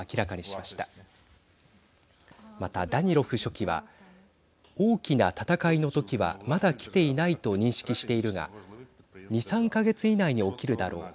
また、ダニロフ書記は大きな戦いの時はまだ来ていないと認識しているが２、３か月以内に起きるだろう。